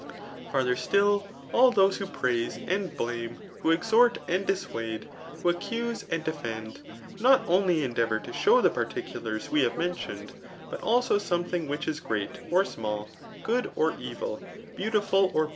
Farther. s6U, since afl those who praise and blame, who esdhovr and dissuade^ who accuse and defend, not only endea^' vour to show the parttculacs we have mentioned, but aho* something which ia great or small, good or evil, beantifel or.